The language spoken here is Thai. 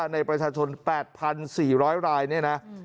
ในประชาชน๘๔๐๐รายเนี่ยนะ